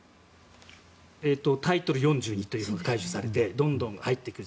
タイトル４２が解除されてどんどん入ってくる。